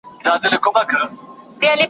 زامنو یې سپارلی رقیبانو ته بورجل دی ,